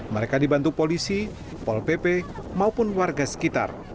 mereka dibantu polisi pol pp maupun warga sekitar